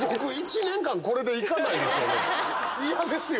嫌ですよ。